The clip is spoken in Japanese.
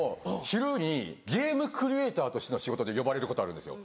昼にゲームクリエイターとしての仕事で呼ばれることあるんですよ。